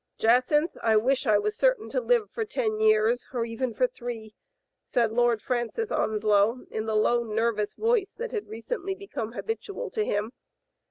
"Jadynth, I wish I was certain to live for ten years or even for three,^* said Lord Francis On slow, in the low, nerveless voice that had recently become habitual to him.